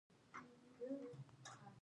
ما هېڅکله چاته بده خبره نه وه کړې